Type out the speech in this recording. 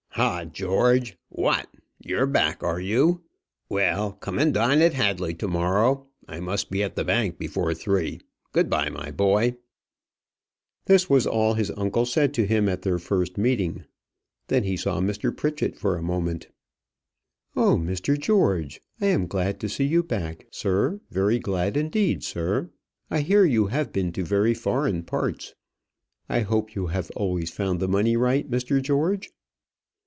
"Ha! George what; you're back, are you? Well, come and dine at Hadley to morrow. I must be at the Bank before three. Good bye, my boy." This was all his uncle said to him at their first meeting. Then he saw Mr. Pritchett for a moment. "Oh, Mr. George, I am glad to see you back, sir; very glad indeed, sir. I hear you have been to very foreign parts. I hope you have always found the money right, Mr. George?"